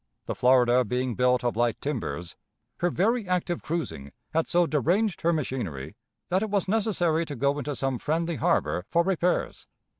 The Florida being built of light timbers, her very active cruising had so deranged her machinery, that it was necessary to go into some friendly harbor for repairs.